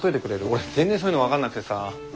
俺全然そういうの分かんなくてさ。